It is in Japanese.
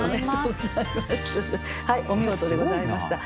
お見事でございました。